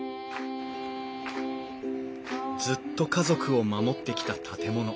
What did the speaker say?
ずっと家族を守ってきた建物。